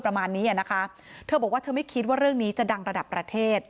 ประมาณนี้อ่ะนะคะเธอบอกว่าเธอไม่คิดว่าเรื่องนี้จะดังระดับประเทศ